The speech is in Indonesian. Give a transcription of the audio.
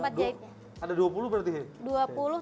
maksudnya ada dua puluh berarti